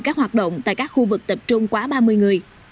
các hoạt động tại các khu vực tập trung quá ba mươi người